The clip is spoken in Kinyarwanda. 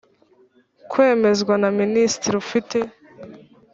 kwemezwa na Minisitiri ufite